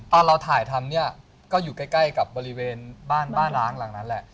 ตอนเราถ่ายทำเนี่ยก็อยู่ใกล้กับบริเวณบ้านบ้านร้างหลังนั้นแหละ